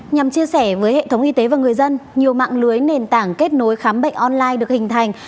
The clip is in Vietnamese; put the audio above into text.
nhằm chia sẻ với hệ thống y tế và người dân nhiều mạng lưới nền tảng kết nối khám bệnh online được hình thành